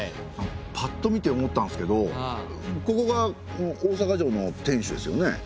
パッと見て思ったんすけどここが大坂城の天守ですよね。